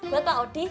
buat pak odi